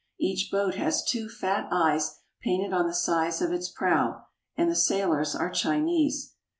Each boat has two fat eyes painted on the sides of its prow, and the sailors are Chinese.